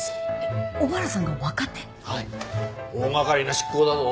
大がかりな執行だぞ。